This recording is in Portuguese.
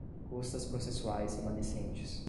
custas processuais remanescentes